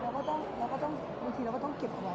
เราก็ต้องบางทีเราก็ต้องเก็บเอาไว้